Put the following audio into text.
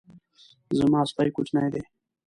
زما سپی کوچنی دی